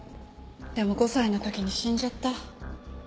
でも５歳の時に死んじゃった。